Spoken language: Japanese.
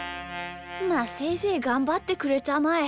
まあせいぜいがんばってくれたまえ。